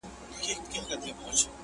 نسته له ابۍ سره شرنګی په الاهو کي٫